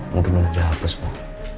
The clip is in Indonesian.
untuk menjaga hapus pak